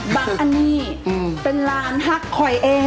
อันนี้เป็นร้านฮักคอยเอ